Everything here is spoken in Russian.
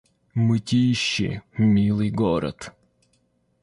Мытищи — милый город